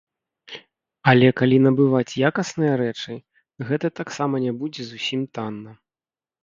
Але калі набываць якасныя рэчы, гэта таксама не будзе зусім танна.